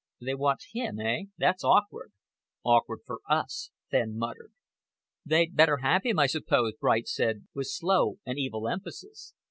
"They want him, eh? That's awkward." "Awkward for us," Fenn muttered. "They'd better have him, I suppose," Bright said, with slow and evil emphasis.